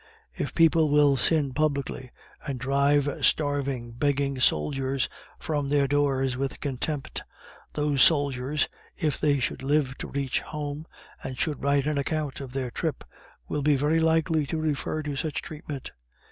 If people will sin publicly, and drive starving begging soldiers from their doors with contempt, those soldiers, if they should live to reach home, and should write an account of their trip, will be very likely to refer to such treatment.